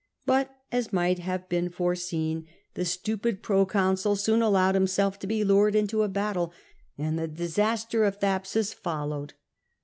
But, as might have been foi'eseen, the stupid proconsul 230 CATO soon allowed himself to be lured into a battle, and the disaster of Thapsus followed.